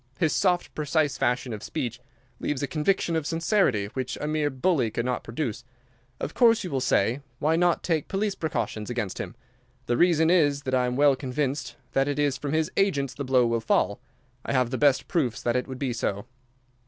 His soft, precise fashion of speech leaves a conviction of sincerity which a mere bully could not produce. Of course, you will say: 'Why not take police precautions against him?' the reason is that I am well convinced that it is from his agents the blow will fall. I have the best proofs that it would be so."